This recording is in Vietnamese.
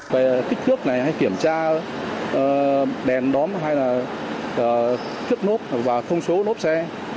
về kích thước này hay kiểm tra đèn đóm hay là kết nốt và thông số nốt xe